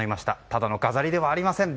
ただの飾りではありません。